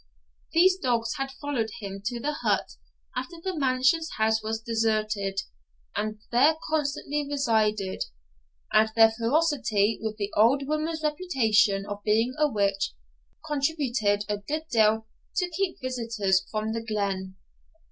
These dogs had followed him to the hut after the mansion house was deserted, and there constantly resided; and their ferocity, with the old woman's reputation of being a witch, contributed a good deal to keep visitors from the glen.